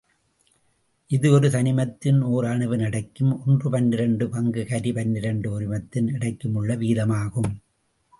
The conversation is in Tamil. இது ஒரு தனிமத்தின் ஒர் அணுவின் எடைக்கும் ஒன்று பனிரண்டு பங்கு கரி பனிரண்டு ஒரிமத்தின் எடைக்குமுள்ள வீதமாகும்.